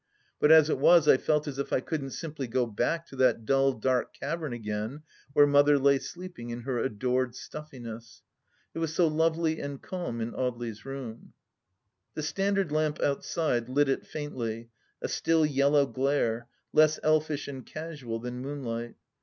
... But as it was I felt as if I couldn't simply go back to that dull dark cavern again where Mother lay sleeping in her adored stuffiness. It was so lovely and calm in Audely's room. The standard lamp outside lit it faintly, a still yellow glare, less elfish and casual than moonlight.